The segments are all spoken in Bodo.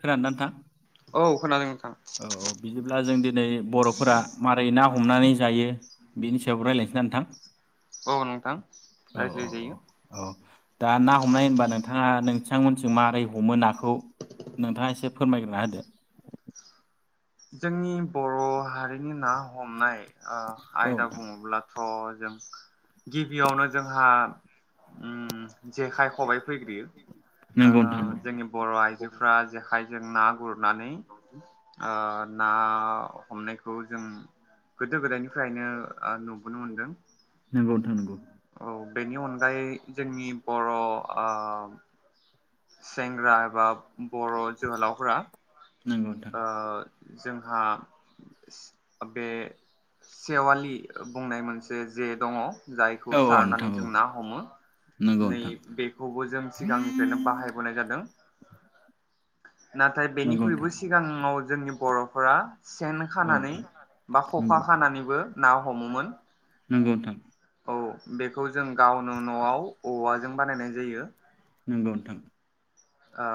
खोनादोंना नोंथां? औ खोनादों नों औ औ बिदिब्ला जों दिनै बर'फोरा मारै ना हमनानै जायो? बेनि सायावबो रायज्लायनोसै ना नोंथां। औ नोंथां औ औ रायज्लायजायो औ औ दा ना हमनाय होनबा नोंथाङा नोंथांमोनथिं मारै हमो नाखौ नोंथाङा एसे फोरमायग्रोना होदो। जोंनि बर' हारिनि ना हमनाय ओ औ आयदा नोंथां बुङोब्ला थ' जों गिबियावनो जोंहा ओम जेखाइ खबाइ फैग्रोयो ओ नंगौ नोंथां जोंनि बर' आइजोफ्रा जेखाइजों ना गुरनानै ओ ना हमनायखौ जों गोदो गोदायनिफ्रायनो नुबोनो मोनदों। नंगौ नोंथां नंगौ औ बेनि अनगायै जोंनि बर' ओ सेंग्रा एबा बर' जोहोलावफोरा नंगौ नंगौ नोंथां ओ जोंहा स बे सेवालि बुंनाय मोनसे जे दङ। जायखौ औ औ नोंथां सारनानै औ जों ना हमो नंगौ नै नोंथां बेखौबो जों सिगांनिफ्रायनो बाहायबोनाय जादों। नाथाय नंगौ बेनिख्रुइबो नोंथां सिगाङाव जोंनि बर'फोरा सेन औ नोंथां खानानै बा खखा नंगौ खानानैबो ना हमोमोन औ बेखौ जों गावनो न'आव औवाजों बानायनाय जायो। नोंगौ नोंथां आ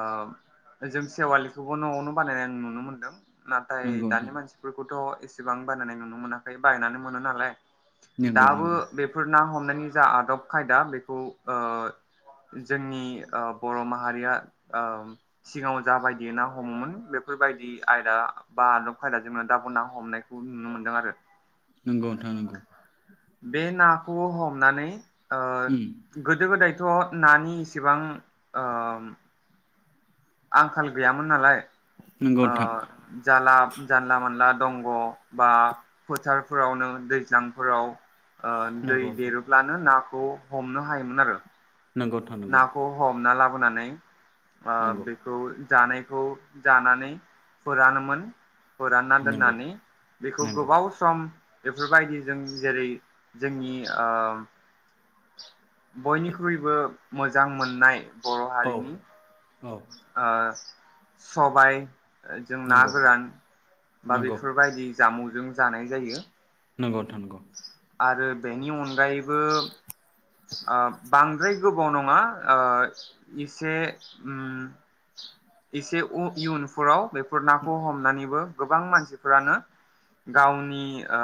जों सेवालिखौबो न'आवनो बानायनाय आं नुनो मोनदों। नाथाय दानि नंगौ मानसिफोरखौथ' एसेबां बानायनाय नुनो मोनाखै बायनानै मोनो नालाय। दाबो नोंथां बेफोर ना हम नायनि जा आदब खायदा बेखौ ओ जोंनि ओ बर' माहारिया ओम सिगाङाव जाबायदि ना हमोमोन बेफोरबायदि आयदा बा आदब खायदाजों दाबो ना हमनायखौ नुनो मोनदों आरो। नंगौ नोंथां नंगौ नोंथां नंगौ नोंथां नंगौ बे नाखौ हम नानै ओ गोदो गोदायथ' नानि इसेबां ओम आंखाल गैयामोन नालाय नंगौ आ नोंथां नंगौ नोंथां जाला जानला मोनला दंग' बा फोथारफोरावनो दैज्लांफोराव ओ दै देरोब्लानो ना खौ हमनो हायोमोन आरो। नंगौ नोंथां नंगौ नाखौ हमना ला बोनानै आ नंगौ बेखौ जानाय खौ जानानै फोरानोमोन। फोरानना नंगौ दोननानै बेखौ नंगौ गोबाव सम बेफोरबायदिजों जेरै जोंनि ओम [inaudible] बयनिख्रुइबो मोजां मोननाय बर' औ हारिनि औ ओ सबाइ ओ जों ना नंगौ गोरान बा नंगौ बेफोरबायदि जामुं जों जानाय जायो। नंगौ नोंथां नंगौ आरो बेनि अनगायैबो ओ बांद्राय गोबाव नङा ओ एसे एसे इयुनफोराव बे [unintelligible] खौ हमनानैबो गोबां मानसिफोरानो गावनि ओ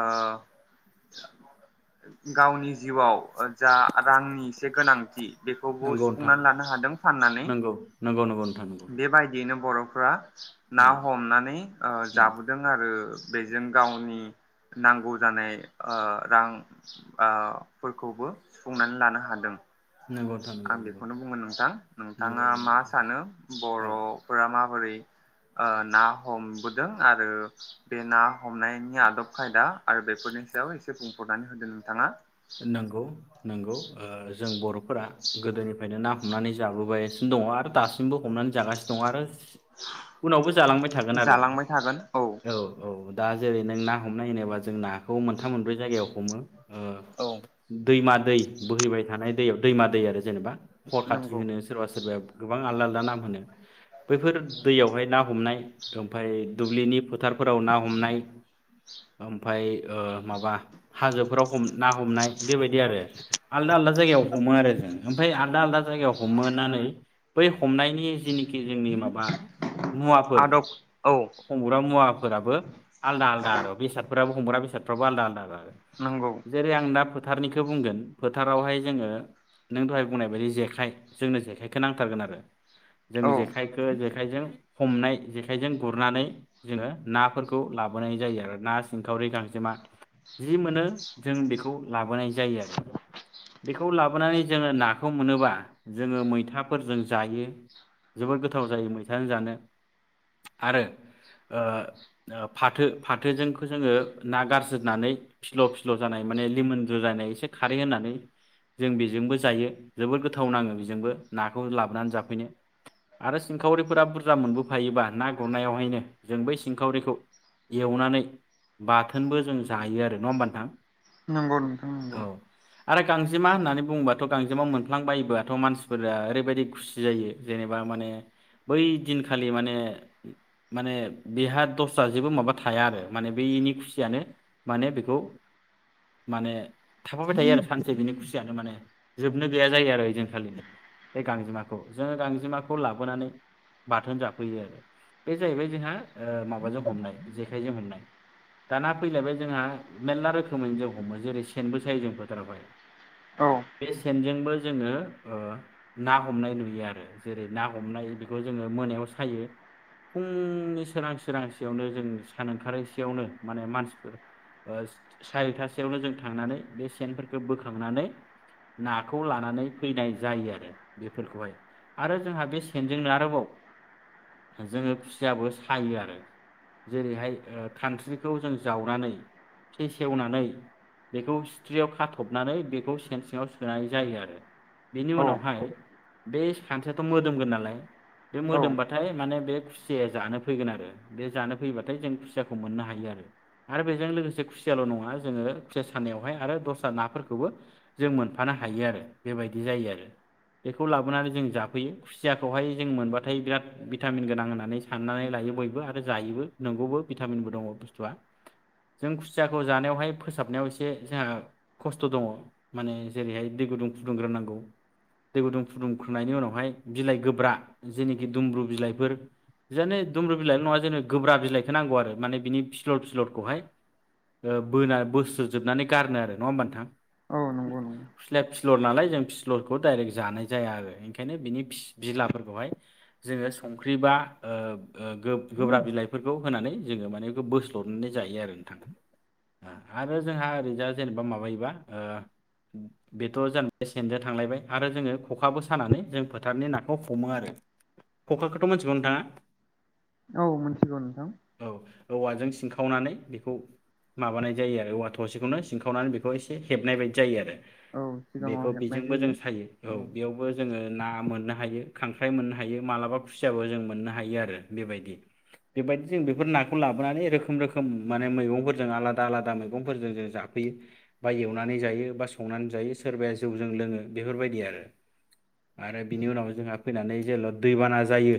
गावनि जिउआव जा रांनि एसे गोनांथि बेखौबो नंगौ सुफुंनानै लानो हादों फाननानै नंगौ नोंथां नंगौ नोंथां नंगौ बेबायदियैनो बर' फ्रा ना उम हमनानै ओ उम जाबोदों आरो। बेजों गावनि नांगौ जानाय ओ रां ओ फोरखौबो सुफुंनानै लानो हादों। नंगौ नोंथां नंगौ आं नंगौ बेखौनो बुंगोन नोंथां नंगौ नोंथाङा नंगौ मा नोंथां सानो औ बर'फोरा माबोरै ओ ना हमबोदों आरो बे ना हमनायनि आदब खायदा आरो बेफोरनि सायाव एसे बुंफुरनानै होदो नोंथाङा। नंगौ नंगौ ओ जों बर'फोरा गोदोनिफ्रायनो ना हमनानै जाबोबायासिनो दङ आरो दासिमबो हमनानै जागासिनो दं आरो। उनावबो जालांबाय थागोन आरो जालांबाय थागोन औ औ दा जेरै नों ना हमनाय होनोबा जों नाखौ मोनथाम मोनब्रै जायगायाव हमो ओ दा औ दैमा दै बोहैबाय थानाय दैयाव दैमा दै आरो जेनेबा हर खाथि नंगौ होनो सोरबा सोरबाया गोबां आलादा नाम होनो बैफोर दैयावहाय ना हमनाय ओमफाय दुब्लिनि फोथार फोराव ना हमनाय ओमफाय ओ माबा हाजोफोराव हमना हमनाय बेबायदि आरो आलदा आलदा जायगायाव हमो आरो जों ओमफाय आलादा आलादा जायगायाव हमहनानै बै हमनायनि जेनेखि जोंनि माबा मुवाफोर आदब औ हमग्रा मुवाफोराबो आलदा आलदा आरो बेसादफोराबो हमग्रा बेसादफोराबो आलादा आलादा नंगौ ओरै आं दा फोथारनिखौ बुंगोन फोथारावहाय जोङो नों दहाय बुंनाय बायदि जेखाय जोंनो जेखाइखौ नांथारगोन आरो जों औ जेखायखौ जे जेखाइजों हमनाय जेखाइजों गुरनानै जोङो नाफोरखौ लाबोनाय जायो आरो ना सिंखावरि गांजेमा जि मोनो जों बेखौ लाबोनाय जायो आरो बेखौ लाबोनानै जोङो नाखौ मोनोबा जोङो मैथाफोरजों जायो जोबोद गोथाव जायो मैथाजों जानो आरो ओ ओ फाथो फाथोजोंखो जोङो ना गारज्रिदनानै फिल' फिल' सिल' जानाय माने लिमोनद्रुलानाय एसे खारै होनानै जों बेजोंबो जायो जोबोर गोथाव नाङो बेजोंबो नाखौ लाबोनानै जाफैनो आरो सिंखावरिफोरा बुरजा मोनबोफायोबा ना गुरनायावहायनो जों बै सिंखावरिखौ एवनानै बाथोनबो जों जायो आरो नङा होमबा नोंथां नंगौ नोंथां औ नंगौ आरो गांजेमा होननानै बुङोबाथ' गांजेमा मोनफ्लांबायायोबोथ' मानसिफोरा ओरैबायदि खुसि जायो जेनेबा माने बै दिनखालि माने माने बेहा दस्रा जेबो माबा थाया आरो माने बेनि खुसियानो माने बेखौ माने थाफाबाय थायो आरो सानसे बिनि खुसियानो माने जोबनो गैया जायो आरो ओइ जोंखालिनो बे गांजेमाखौ जोङो गांजेमाखौ लाबोनानै बाथोन जाफैयो आरो बे जायैबाय जोंहा माबाजों हमनाय जेखाइजों हमनाय दाना फैलायबाय जोंहा मेरला रोख रोखोमै जों हमो जेरै सेनबो सायै जों फोथारावहाय औ [unintelligible] सेनजोंबो जोङो ओ ना हमनाय नुयो आरो जेरै ना हमनाय बेखौ जोङो मोनायाव सायो फुंनि सोरां सोरांसेयावनो जों सान ओंखारैसेयावनो माने मानसिफोर सारिथासोयावनो जों थांनानै बे सेनफोरखौ बोखांनानै नाखौ लानानै फैनाय जायो आरो बेफोरखौहाय आरो जोंहा बे सेनजोंनो आरोबाव जोङो खुसियाबो सायो आरो जेरैहाय खानस्रिखौ जों जावनानै फेसेवनानै बेखौ सिथ्रियाव खाथबनानै बेखौ सेन सिङाव सोनाय जायो आरो बेनि औ उनावहाय बे खानस्रियाथ' मोदोमगोन नालाय बे औ मोदोमबाथाय माने बे खुसियाया जानो फैगोन आरो बे जानो फैयोबाथाय जों खुसियाखौ मोननो हायो आरो आरो बेजों लोगोसे खुसिया खुसियाल' नङा जोङो खुसिया सानायावहाय आरो दस्रा नाफोरखौबो जों मोनफानो हायो आरो बेबायदि जायो आरो बेखौ लाबोनानै जों जाफैयो खुसियाखौहाय जों मोनबाथाय बिराद भिटामिन गोनां होननानै साननानै लायो बयबो आरो जायोबो नंगौबो भिटामिनबो दङ बुस्थुआ जों खु खुसियाखौ जानायावहाय फोसाबनायाव एसे जोंहा खस्थ' दङ माने जेरैहाय दै गुदुं फुदुंग्रोनांगौ दै गुदुं फुदुंग्रोनायनि उनावहाय बिलाइ गोब्रा जेनेखि दुमब्रु बिलाइफोर बिनो दुमब्रु बिलाइल' नङा जोंनो गोब्रा बिलाइखौ नांगौ आरो माने बिनि फिसलर फिसलरखौहाय ओ बोना बोस्रोद जोबनानै गारनो आरो नङा होमबा नोंथां औ नंगौ नंगौ [unintelligible] फिसलर नालाय जों फिसलरखौ डाइरेक्ट जानाय जाया आरो ओंखायनो फि बिनि बिलाफोरखौहाय जोङो संख्रि बा गोब्राब बिलाइफोरखौ होनानै जोङो माने बेखौ बोस्लरनानै जायो आरो नोंथां ओ आरो जोंहा ओरैजा जेनेबा माबायोबा बेथ' जेनेबा सेनजों थांलायबाय आरो जोङो खखाबो सानानै जों फोथारनि नाखौ हमो आरो खखाखौथ' मोनथिगौ नोंथाङा औ मोनथिगौ नोंथां सिंखावनानै बेखौ माबानाय जायो आरो औवा थसेखौनो सिंखावनानै बेखौ एसे हेबनायबायदि जायो आरो औ सिगाङाव बेखौ हेबनाय बिजोंबो जों जायो सायो औ बेयावबो जोङो ना मोननो हायो खांख्राइ मोननो हायो मालाबा खुसियाबो जों मोननो आरो बेबायदि जों बेफोर नाफोरखौ लाबोनानै रोखोम रोखोम माने मैगंफोर जों आलादा आलादा मैगंफोरजों जों जाफैयो बा एवनानै जायो बा सोरबाया संनानै जायो सोरबाया जौजों लोङो बेफोर बायदि आरो आरो बिनि उनाव जोंहा फैनानै जेला दैबाना जायो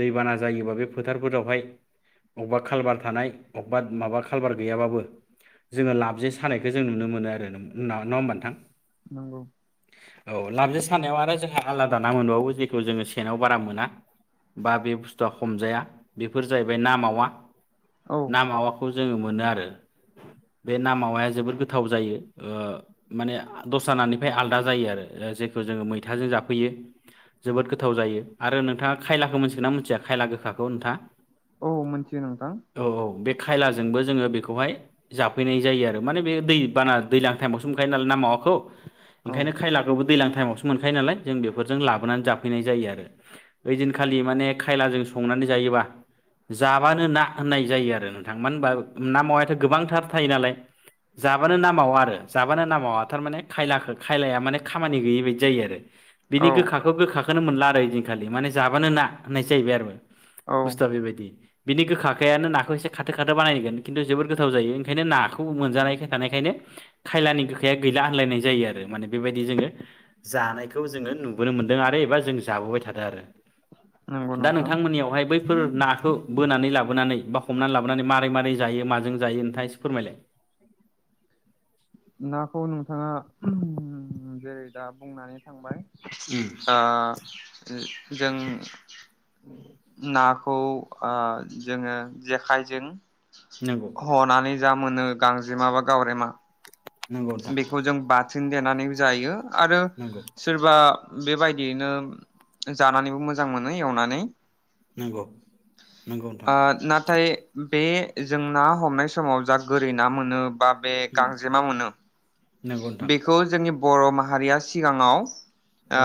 दैबाना जायोबा बे फोथारफोरावहाय अबावबा खालभार थानाय अबावबा माबा गुवार गैयाबाबो जोङो लाबजे सानायखौ जों नुनो मोनो आरो नङा होमबा नोंथां नंगौ औ लाबजे सानायाव आरो जोंहा आलादा ना मोनबावो जेखौ जोङो सेनाव बारा मोना बा बे बुस्थुआ हमजाया बेफोर जाहैबाय ना मावा। औ ना मा खौ जों जोङो मोननो आरो आरो बे नामाया जोबोद गोथाव जायो ओ माने दस्रा नानिफ्राय आलादा जायो आरो जेखौ जोङो मैथाजों जाफैयो जोबोद गोथाव जायो आरो नोंथाङा खायलाखौ मिथिगोन ना मिथिया खायला गोखाखौ नोंथाङा? औ मोनथियो नोंथां औ बे खायलाजोंबो जोङो बेखौ बेखौहाय जाफैनाय जायो आरो माने बे दै बाना दैज्लां टाइमावसो मोनखायो नालाय ना मावाखौ औ ओंखायनो खायलाखौबो दैज्लां टाइमावसो मोनखायो नालाय जों बेफोरजों लाबोनानै जाफैनाय जायो आरो ओइ दिनखालि माने खायलाजों संनानै जायोबा जाबानो ना होननाय जायो आरो नोंथां मानो होनबा ना माव [unintelligible] गोबांथार थायो नालाय जाबानो नामावा आरो जाबानो नामावा थारमाने खायलाखौ खायलाया माने खामानि गैयै बायदि जायो आरो। बिनि औ गोखाखौ गोखा खौनो मोनला आरो ओदिनखालि माने जाबानो ना होननाय जैबाय आरो औ बुस्थुआ बेबायदि बिनि गोखाखानो नाखौसेो खाो बानायोन ज गोथाव जायो ओंखायनो नाखौ मोनजानायाय थानायखायनो खायलानि गोखाया गैला होनलायनाय जायो आरो माने बेबायदि जोङो जानायखौ जोङो नुबोनो मोनदों आरो एबा जों जाबोबाय थादों आरो। नंगौ दा नोंथां नोंथांमोननियावहाय बै नाखौ बोनानै लाबोनानै बा हमनानै लाबोनानै मारै मारै जायो? जायो नोंथाङा एसे फोरमायलाय। नाखौ नोंथाङा जेरै दा बुंनानै थांबाय। उम आ जों नाखौ ओ जोङो जेखाइजों नंगौ हनानै जा मोनो गांजेमा बा गावरेमा नंगौ नोंथां बेखौ जों देनानैबो जायो आरो नंगौ सोरबा बेबायदियैनो जानानैबो मोजां मोनो एवनानै। नंगौ नंगौ नोंथां आ नाथाय बे जों ना हमनाय समाव जा गोरै ना मोनो बा बे उम गांजेमा मोनो नंगौ नोंथां बेखौ जोंनि बर' माहारिया सिगाङाव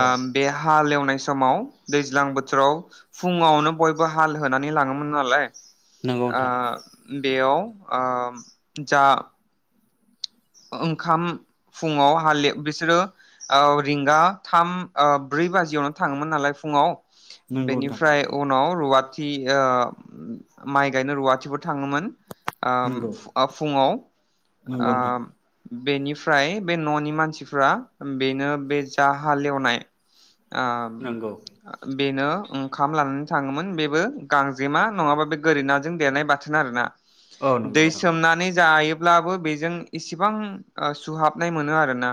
औ बे हालेवनाय समा समाव दैज्लां बोथोराव फुङावनो बयबो हाल होनानै लाङोमोन नालाय। नंगौ नोंथां ओ बेयाव आ जा ओंखाम फुङाव हा बिसोरो ओ रिंगा थाम ओ ब्रै बाजियावनो थाङोमोन नालाय फुङाव नंगौ नोंथां बेनिफ्राय उनाव रुवा थि ओ माइ गायनो रुवाथिफोर थाङोमोन। ओ नंगौ फु-फुङाव ओ नंगौ नोंथां बेनिफ्राय बे न'नि मानसिफ्रा बेनो बे जा हालेवनाय नंगौ ओ बेनो ओंखाम लानानै थाङोमोन बेबो गांजेमा नङाबा बे गोरि नाजों देरनाय बाथोन आरोना। औ नंगौ दै नोंथां सोमनानै जायो। ब्लाबो बेजों एसे गोबां ओ सुहाबनाय मोनो आरो ना।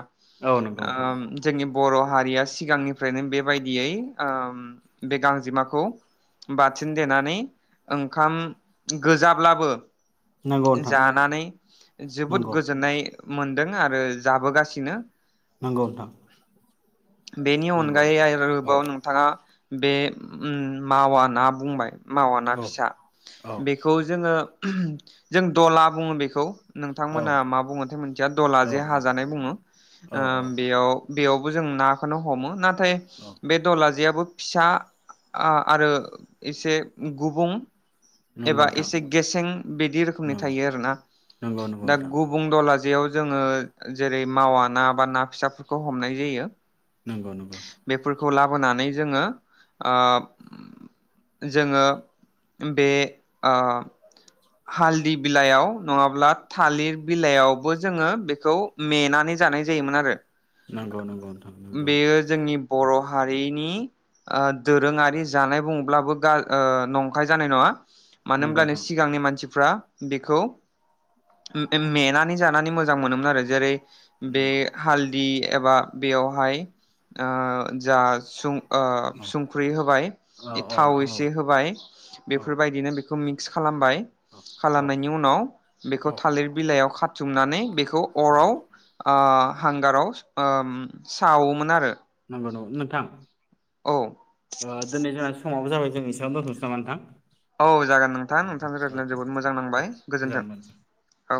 औ नंगौ नोंथां। आ जोंनि बर' हारिया सिगांनिफ्रायनो बेबायदियै ओ बे गांजेमाखौ बाथिन देनानै ओंखाम गोजाब्लाबो नंगौ नोंथां जानानै जोबोद नंगौ गो नाय मोनदों आरो जाबोगासिनो। नंगौ नोंथां बेनि नंगौ। अनगायै औ आरोबाव नोंथाङा बे उम मावा ना बुंबाय मावा ना औ फिसा औ बेखौ जोङो जों दला बुङो बेखौ औ नोंथांमोना मा बुङोथाय मोनसथिया दला औ जे हाजानाय बुङो औ ओ औ बेयाव बेयावबो जों नाखोनो हमो नाथाय औ [unintelligible] बे दलाजेयाबो फिसा आरो एसे गुबुं नंगौ एबा नोंथां एसे गेसें बिदि रोखोमनि नंगौ थायो आरोना नंगौ नंगौ दा नोंथां गुब दलाजियाव जोङो जेरै मावा ना बा ना फिसाफोरखौ हमनाय जायो। नंगौ नंगौ खौ लाबोनानै जोङो ओ जोङो बे ओ हालदि बिलाइयाव नङाब्ला थालिर बिलाइयावबो जोङो बेखौ मेनानै जानाय जायोमोन आरो। नंगौ नंगौ नोंथां नंगौ बेयो जोंनि बर' हारिनि ओ दोरोङारि जानाय बुंब्लाबो गा ओ नंखाय जानाय नङा। मानो नंगौ होनब्लानो नोंथां सिगांनि मान मानसिफ्रा बेखौ मे- मेनानै जानानै मोजां मोनोमोन आरो जेरै बे नंगौ हालदि एबा बेयावहाय ओ जा सुं औ ओ संख्रि होबाय औ औ थाव नोंथां औ एसे होबाय औ बेफोरबायदिनो बेखौ फिक्स खालामबाय औ औ खालामनायनि उनाव बेखौ औ थालिर बिलाइयाव खा थुमनानै बेखौ खौ अराव नंगौ ओ हांगाराव ओ सावोमोन आरो नंगौ नंगौ नोंथां औ ओ दिनै जोंहा सु समाबो जाबाय जों इसेबां दोनथ'सै नामा नोंथां औ जागोन नोंथां नोंथांजों औ रायज्लायनानै जोबोद मोजां नांबाय मोजां गोजोन्थों मोन औ